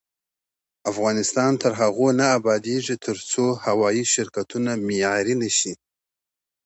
افغانستان تر هغو نه ابادیږي، ترڅو هوايي شرکتونه معیاري نشي.